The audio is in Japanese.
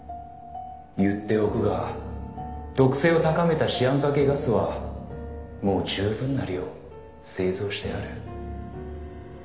「言っておくが毒性を高めたシアン化系ガスはもう十分な量製造してある」